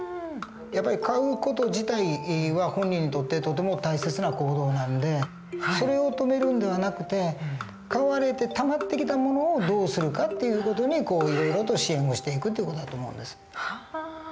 やっぱり買う事自体は本人にとってとても大切な行動なんでそれを止めるんではなくて買われてたまってきたものをどうするかっていう事にいろいろと支援をしていく事だと思うんです。